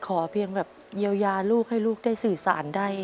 เพียงแบบเยียวยาลูกให้ลูกได้สื่อสารได้